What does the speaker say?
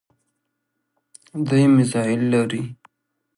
دوی میزایل لري.